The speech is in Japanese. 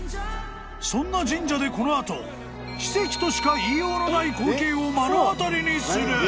［そんな神社でこの後奇跡としか言いようのない光景を目の当たりにする］